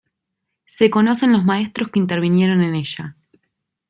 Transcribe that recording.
Se conocen los maestros que intervinieron en ella.